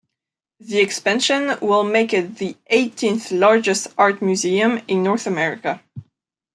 The expansion will make it the eighteenth largest art museum in North America.